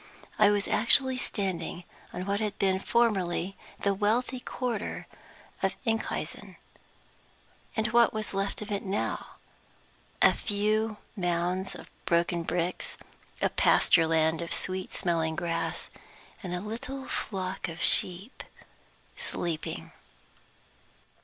I was actually standing on what had been formerly the wealthy quarter of Enkhuizen! And what was left of it now? A few mounds of broken bricks, a pasture land of sweet smelling grass, and a little flock of sheep sleeping.